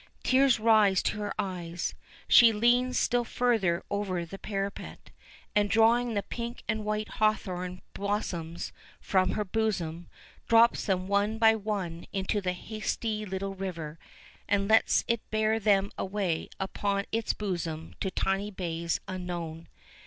Tears rise to her eyes; she leans still further over the parapet, and drawing the pink and white hawthorn blossoms from her bosom, drops them one by one into the hasty little river, and lets it bear them away upon its bosom to tiny bays unknown.